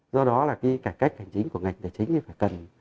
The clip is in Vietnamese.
do đó là cái cải cách hành chính của ngành tài chính thì phải cần